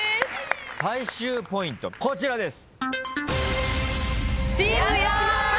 最終ポイントこちらです。